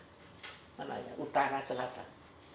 jadi pasti dia ke arah utara selatan